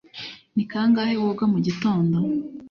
Ni kangahe woga mu gitondo?